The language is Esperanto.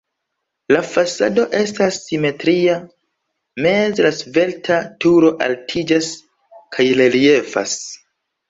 La fasado estas simetria, meze la svelta turo altiĝas kaj reliefas.